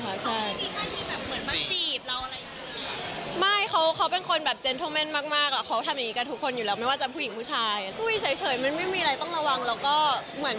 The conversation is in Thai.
เขาไม่มีค่าดิบเหมือนมันมาจีบเราอะไรอย่างงี้